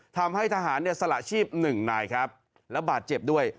ทำให้ทหารเนี่ยสละชีพหนึ่งนายครับแล้วบาดเจ็บด้วย